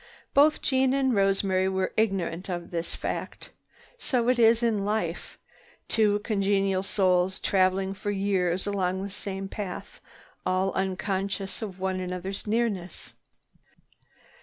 Both Jeanne and Rosemary were ignorant of this fact. So it is in life, two congenial souls travel for years along the same path, all unconscious of one another's nearness.